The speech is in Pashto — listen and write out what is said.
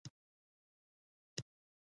پر لاره ورو، ورو راځې